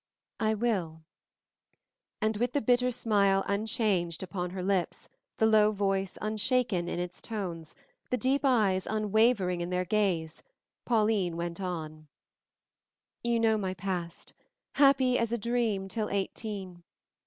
"I will." And with the bitter smile unchanged upon her lips, the low voice unshaken in its tones, the deep eyes unwavering in their gaze, Pauline went on: "You know my past, happy as a dream till eighteen.